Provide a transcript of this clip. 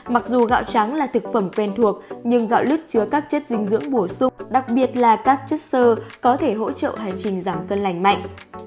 mặc dù gạo trắng là thực phẩm quen thuộc nhưng gạo lứt chứa các chất dinh dưỡng bổ sung đặc biệt là các chất sơ có thể hỗ trợ hành trình giảm cân lành mạnh